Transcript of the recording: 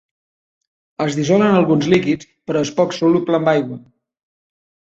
Es dissol en alguns líquids, però és poc soluble en aigua.